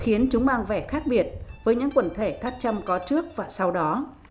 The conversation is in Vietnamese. khiến chúng mang vẻ khác biệt với những quần thể tháp chăm có trước và sau đó